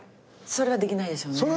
それはできないでしょうね。